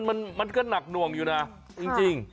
มันก็หนักหน่วงอยู่นะจริง